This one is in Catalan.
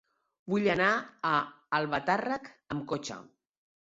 Vull anar a Albatàrrec amb cotxe.